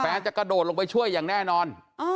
จะกระโดดลงไปช่วยอย่างแน่นอน